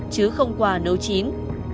chứ không quà nấu chín